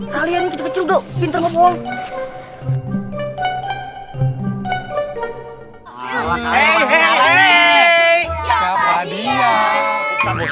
kalian kecil pintar ngopul